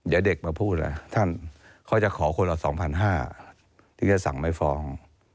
เดี๋ยวเด็กมาพูดท่านเขาจะขอคนละ๒๕๐๐ถึงจะสั่งไม่ฟ้อง